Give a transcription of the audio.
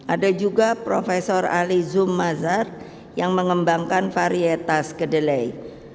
ada juga prof alizoom mazar yang mengembangkan varietas kedelai